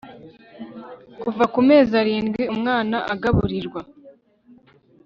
kuva kumezi arindwi umwana agaburirwa